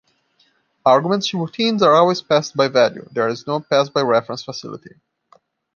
Arguments to routines are always passed by value; there is no pass-by-reference facility.